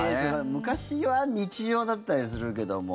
昔は日常だったりするけども。